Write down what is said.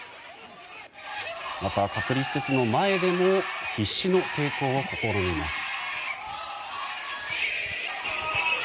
また、隔離施設の前でも必死の抵抗を試みます。